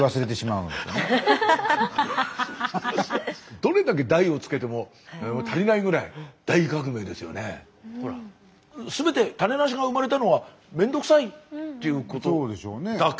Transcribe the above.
どれだけ「大」を付けても足りないぐらい全て種なしが生まれたのは面倒くさいっていうことだけ。